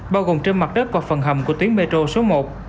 bao gồm trên mặt đất và phần hầm của tuyến metro số một